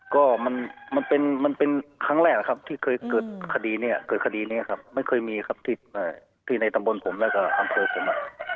ก็มันเป็นครั้งแรกครับที่เคยเกิดคดีนี้ครับไม่เคยมีครับที่ในตำบลผมและกับอำเภอผม